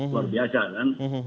luar biasa kan